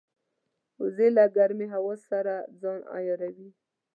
وزې له ګرمې هوا سره ځان عیاروي